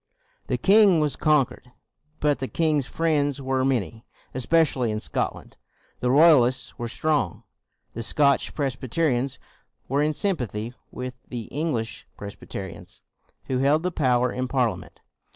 The king was conquered, but the king's friends were many. Especially in Scot land, the Royalists were strong. The Scotch Presbyterians were in sympathy with the English Presbyterians who held the power in Parliament.